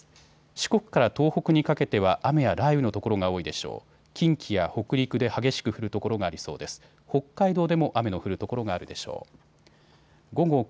四国から東北にかけては雨や雷雨の所が多いでしょう。